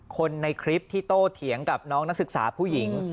คนในคลิปที่โตเถียงกับน้องนักศึกษาผู้หญิง